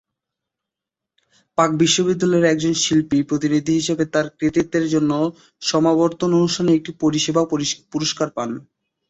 Park বিশ্ববিদ্যালয়ের একজন শিল্পী প্রতিনিধি হিসাবে তার কৃতিত্বের জন্য সমাবর্তন অনুষ্ঠানে একটি পরিষেবা পুরস্কার পান।